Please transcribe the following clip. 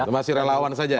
masih relawan saja ya